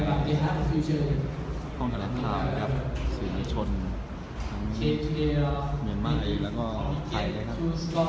และก็คิดว่าตอนนี้เองก็ขอบคุณแฟนนางชุมชาวพระม่าเองและก็ชัมไฟ